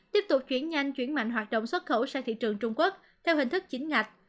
tiếp tục chuyển nhanh chuyển mạnh hoạt động xuất khẩu sang thị trường trung quốc theo hình thức chính ngạch